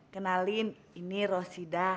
kenalin ini rosida